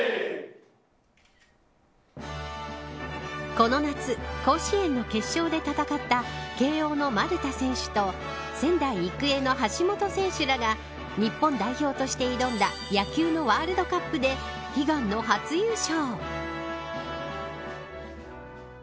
この夏、甲子園の決勝で戦った慶応の丸田選手と仙台育英の橋本選手らが日本代表として挑んだ野球のワールドカップで悲願の初優勝。